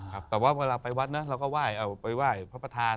ครับแต่ว่าเวลาไปวัดนะเราก็ไหว้เอาไปไหว้พระประธาน